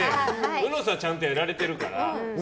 うのさんはちゃんとやられてるから。